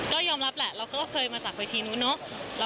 ก็ยอมรับแหละเราก็เคยมาจากเวทีนู้นเนอะ